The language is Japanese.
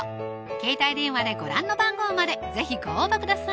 携帯電話でご覧の番号まで是非ご応募ください